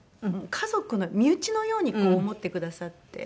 家族の身内のように思ってくださって。